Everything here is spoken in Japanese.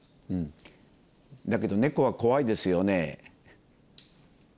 だけど、猫は怖いですよね。